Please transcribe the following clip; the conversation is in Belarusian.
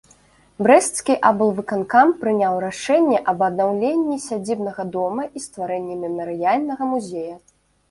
Брэсцкі аблвыканкам прыняў рашэнне аб аднаўленні сядзібнага дома і стварэнні мемарыяльнага музея.